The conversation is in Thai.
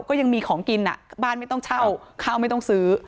ก็ยังมีของกินบ้านไม่ต้องเช่าข้าวไม่ต้องซื้อ